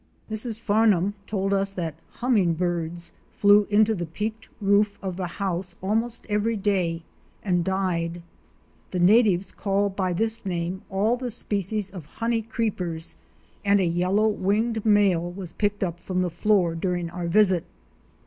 Mrs. Farnum told us that " Hummingbirds"' flew into the peaked roof of the house almost every day and died. The natives call by this name all the species of Honey Creepers, and a Yellow winged male was picked up from the floor during our visit.